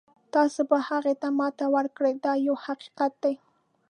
تاسو به هغه ته ماتې ورکړئ دا یو حقیقت دی.